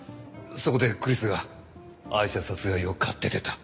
そこでクリスがアイシャ殺害を買って出た？